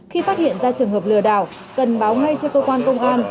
khi phát hiện ra trường hợp lừa đảo cần báo ngay cho cơ quan công an